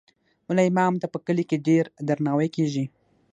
ملا امام ته په کلي کې ډیر درناوی کیږي.